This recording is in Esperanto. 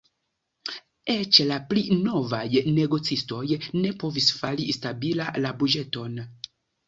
Eĉ la pli novaj negocistoj ne povis fari stabila la buĝeton.